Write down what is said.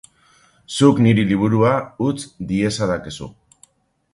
Zuk niri liburua utz diezadakezu.